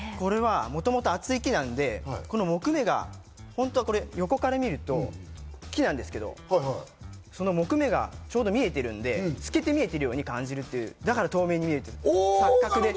もともと厚い木なので木目が本当は横から見ると木ですけど、木目がちょうど見えてるので透けて見えているように感じる、だから透明に見えている。